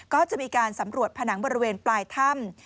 ก็จะมีการสำรวจผนังบริเวณปลายถ้ำ